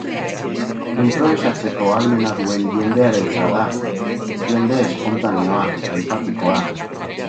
Inprobisatzeko ahalmena duen jendearentzat da, jende espontaneoa, enpatikoa.